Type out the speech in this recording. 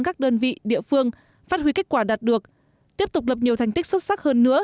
các đơn vị địa phương phát huy kết quả đạt được tiếp tục lập nhiều thành tích xuất sắc hơn nữa